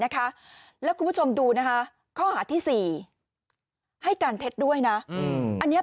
ข้อหาที่๔ให้การเทคด้วยนะ